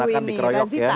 ini seakan akan dikroyok ya